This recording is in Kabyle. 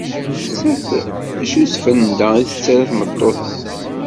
Testeqsa-t acu n tfenda i tettarra tmeṭṭut-is.